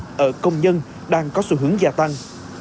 nên là công nhân đang có xu hướng gia tăng